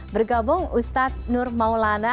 bergabung ustadz nur maulana